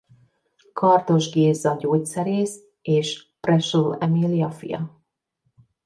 Kardos Géza gyógyszerész és Preschl Emília fia.